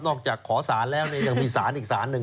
นอกจากขอศาลแล้วยังมีศาลอีกศาลหนึ่ง